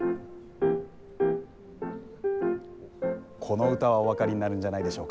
この歌はお分かりになるんじゃないでしょうか？